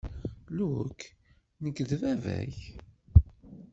Luke, nekk d baba-k.